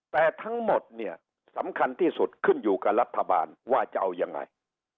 แต่ทั้งหมดเนี่ยสำคัญที่สุดขึ้นอยู่กับรัฐบาลว่าจะเอายังไง